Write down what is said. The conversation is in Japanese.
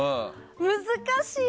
難しい！